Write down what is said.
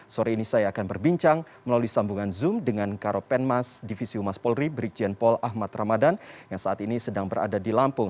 sore ini saya akan berbincang melalui sambungan zoom dengan karopenmas divisi umas polri brigjen paul ahmad ramadan yang saat ini sedang berada di lampung